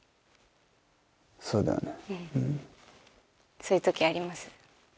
そういう時あります？